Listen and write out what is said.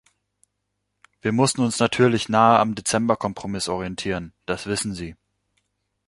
Wir mussten uns natürlich nahe am Dezember-Kompromiss orientieren, das wissen Sie.